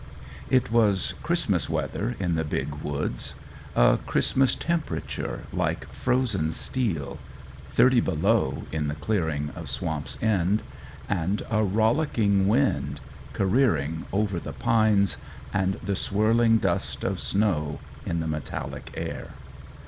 It was Christmas weather in the big woods: a Christmas temperature like frozen steel thirty below in the clearing of Swamp's End and a rollicking wind, careering over the pines, and the swirling dust of snow in the metallic air.